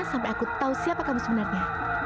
sampai aku tahu siapa kamu sebenarnya